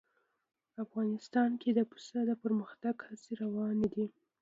افغانستان کې د پسه د پرمختګ هڅې روانې دي.